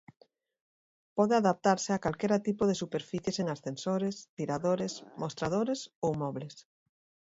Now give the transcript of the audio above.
Pode adaptarse a calquera tipo de superficies en ascensores, tiradores, mostradores ou mobles.